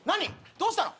どうしたの？